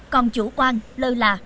còn chủ quan lơ là